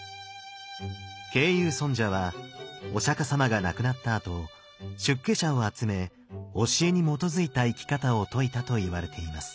慶友尊者はお釈様が亡くなったあと出家者を集め教えに基づいた生き方を説いたといわれています。